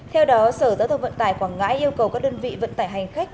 theo đó sở giao thông vận tải quảng ngãi yêu cầu các đơn vị vận tải hành khách